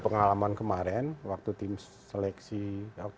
pengalaman kemarin waktu tim seleksi kebiasaan proper di lembaga ori ya kita lakukan seperti